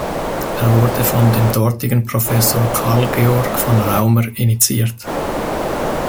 Er wurde von dem dortigen Professor Karl Georg von Raumer initiiert.